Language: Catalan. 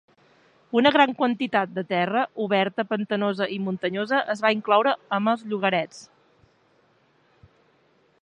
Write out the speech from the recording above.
Una gran quantitat de terra oberta, pantanosa i muntanyosa es va incloure amb els llogarets.